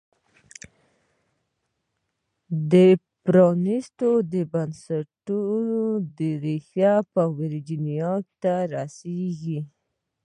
د پرانیستو بنسټونو ریښې په ویرجینیا ته رسېږي.